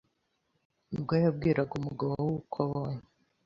ubwo yabwiraga umugabo we uko abonye